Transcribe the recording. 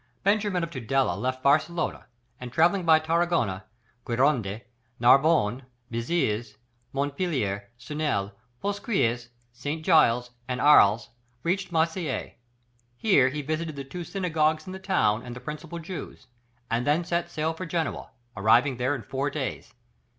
Benjamin of Tudela left Barcelona, and travelling by Tarragona, Gironde, Narbonne, Béziers, Montpellier, Sunel, Pousquiers, St. Gilles, and Arles, reached Marseilles. Here he visited the two synagogues in the town and the principal Jews, and then set sail for Genoa, arriving there in four days.